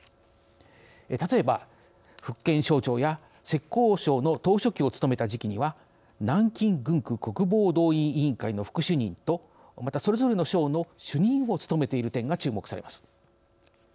例えば福建省長や浙江省の党書記を務めた時期には南京軍区国防動員委員会の副主任とまたそれぞれの省の主任を務めている点が注目されます。